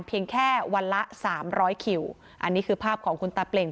เพียงแค่วันละสามร้อยคิวอันนี้คือภาพของคุณตาเปล่ง